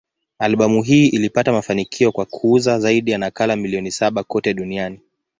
Albamu hii ilipata mafanikio kwa kuuza zaidi ya nakala milioni saba kote duniani.